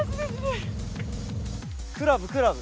クラブクラブ。